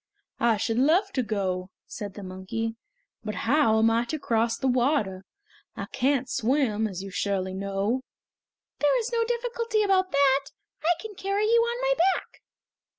"I should love to go," said the monkey, "but how am I to cross the water? I can't swim, as you surely know!" "There is no difficulty about that. I can carry you on my back."